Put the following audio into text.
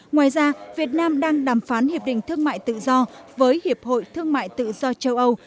ngoài ra việt nam đang đàm phán hiệp định thương mại tự do với hiệp hội thương mại tự do châu âu